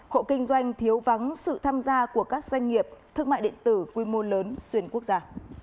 hộ kinh doanh thiếu vắng sự tham gia của các doanh nghiệp thương mại điện tử quy mô lớn xuyên quốc gia